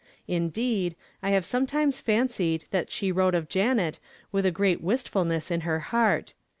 Indeed, I have sometimes fancied that she wrote of Janet with a great wistfulness in her heart.